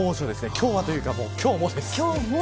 今日はというか今日もです。